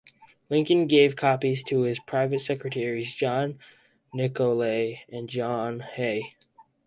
Lincoln gave copies to his private secretaries, John Nicolay and John Hay.